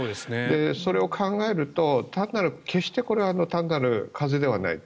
それを考えると決して単なる風邪ではないと。